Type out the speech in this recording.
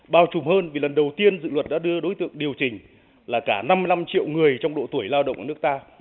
bao trùm hơn vì lần đầu tiên dự luật đã đưa đối tượng điều chỉnh là cả năm mươi năm triệu người trong độ tuổi lao động ở nước ta